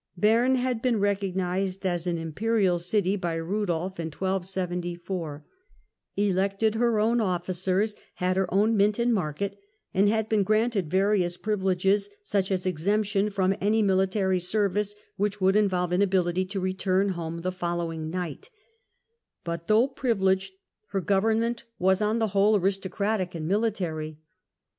Bern had been recognised as an Imperial city by Ku dolf in 1274, elected her own officers, had her own mint and market, and had been granted various privileges, such as exemption from any military service which would involve inability to return home the following night ; but though privileged, her government was, on RISE OF THE SWISS REPUBLIC 107 the whole, aristocratic and military.